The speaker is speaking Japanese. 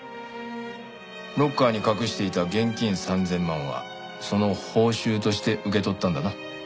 ロッカーに隠していた現金３０００万はその報酬として受け取ったんだな？